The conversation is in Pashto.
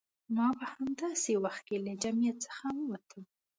ما په داسې وخت کې له جمعیت څخه ووتلم.